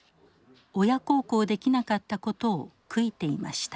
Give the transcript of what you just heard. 親孝行できなかったことを悔いていました。